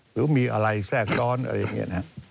หรือมีอะไรแทรกซ้อนอะไรอย่างนี้นะครับ